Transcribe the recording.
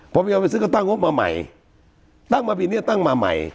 ผมจะเอาไปซื้อก็ตั้งงบมาใหม่ตั้งมาปีนี้ตั้งมาใหม่